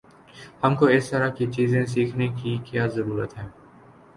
ہم کو اس طرح کی چیزیں سیکھنے کی کیا ضرورت ہے؟